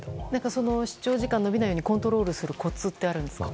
視聴時間が延びないようにコントロールするコツってありますか？